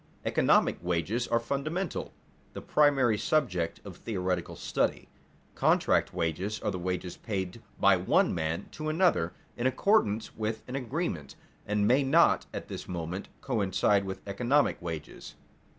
Economic wages are fundamental, the primary subject of theoretical study. Contract wages are the wages paid by one man to another in accordance with an agreement, and may not at this moment coincide with economic wages.